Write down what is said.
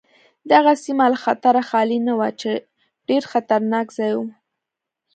دغه سیمه له خطره خالي نه وه چې ډېر خطرناک ځای و.